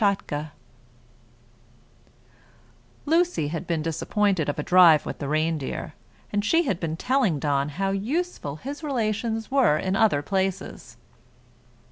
_] LUCY had been disappointed of a drive with the reindeer, and she had been telling Don how useful his relations were in other places.